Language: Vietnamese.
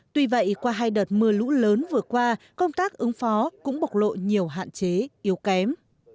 tuy vậy qua hai đợt mưa lũ lớn vừa qua công tác ứng phó cũng bộc lộ nhiều hạn chế yếu kém